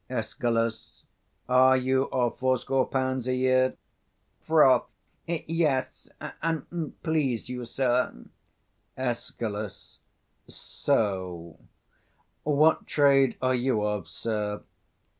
Escal. Are you of fourscore pounds a year? Froth. Yes, an't please you, sir. 185 Escal. So. What trade are you of, sir?